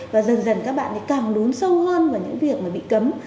và dần dần các bạn càng đốn sâu hơn vào những việc mà bị cấm